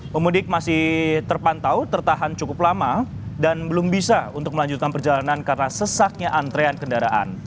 pemudik masih terpantau tertahan cukup lama dan belum bisa untuk melanjutkan perjalanan karena sesaknya antrean kendaraan